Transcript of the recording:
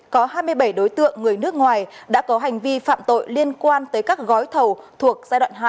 có hai mươi bảy đối tượng người nước ngoài đã có hành vi phạm tội liên quan tới các gói thầu thuộc giai đoạn hai